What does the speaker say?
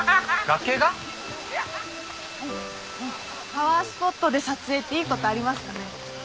パワースポットで撮影っていい事ありますかね？